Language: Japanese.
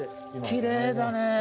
きれいだね。